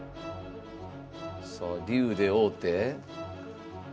さあ竜で王手。